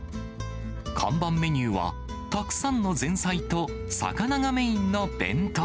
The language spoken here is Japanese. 看板メニューは、たくさんの前菜と魚がメインの弁当。